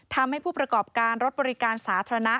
ทำให้ผู้ประกอบการรถบริการสาธารณะ